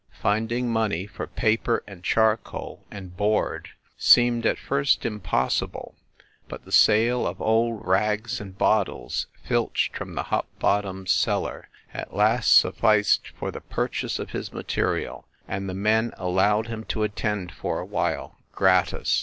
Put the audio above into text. Finding money for paper and charcoal and board seemed at first impossible, but the sale of old rags and bottles filched from the Hopbottoms cellar at last sufficed for the purchase of his material, and the men allowed him to attend for a while, gratis.